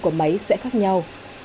của máy sẽ khác nhau